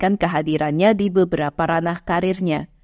menentukan kehadirannya di beberapa ranah karirnya